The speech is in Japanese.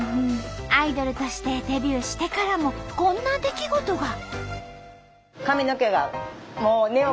アイドルとしてデビューしてからもこんな出来事が。